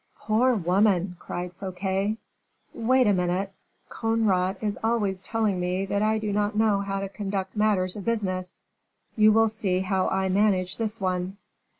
"Poor woman!" said Fouquet. "Wait a moment. Conrart is always telling me that I do not know how to conduct matters of business; you will see how I managed this one."